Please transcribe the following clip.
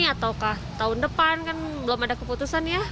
ataukah tahun depan kan belum ada keputusan ya